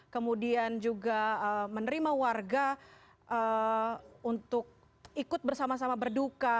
kemudian juga menerima warga untuk ikut bersama sama berduka